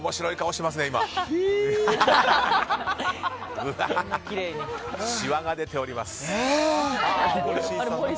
しわが出ております。